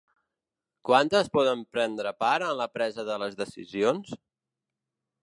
Quantes poden prendre part en la presa de les decisions?